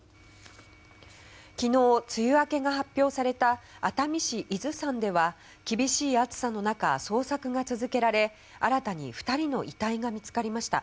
昨日、梅雨明けが発表された熱海市伊豆山では厳しい暑さの中、捜索が続けられ新たに２人の遺体が見つかりました。